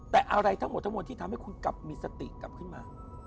แต่อะไรทั้งหมดทั้งมวลที่ทำให้คุณกลับมีสติกลับขึ้นมา